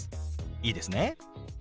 いいですね？